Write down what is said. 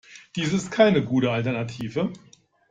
Dies ist keine gute Alternative.